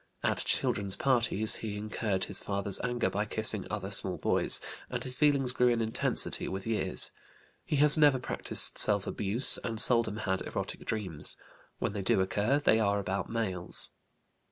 At children's parties he incurred his father's anger by kissing other small boys, and his feelings grew in intensity with years. He has never practised self abuse, and seldom had erotic dreams; when they do occur they are about males.